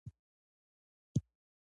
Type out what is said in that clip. د ليکوال په کومه افسانه رغ کړے شوې ده.